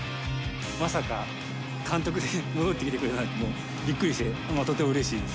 まさか監督で戻ってきてくれるなんて、びっくりしてとてもうれしいです。